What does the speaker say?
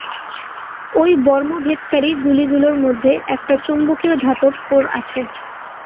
ঐ বর্ম-ভেদকারী গুলিগুলোর মধ্যে একটা চৌম্বকীয় ধাতব কোর রয়েছে।